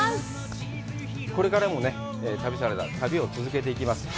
これからもね、旅サラダは旅を続けていきます。